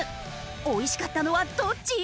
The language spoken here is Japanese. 美味しかったのはどっち？